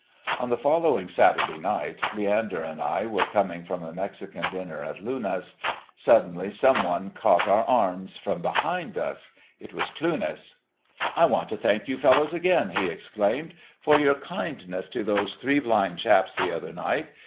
On the following Saturday night Leander and I were coming from a Mexican dinner at Luna's. Suddenly some one caught our arms from behind. It was Cluness. "I want to thank you fellows again," he exclaimed, "for your kindness to those three blind chaps the other night.